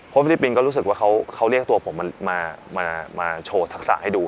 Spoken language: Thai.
ฟิลิปปินส์ก็รู้สึกว่าเขาเรียกตัวผมมาโชว์ทักษะให้ดู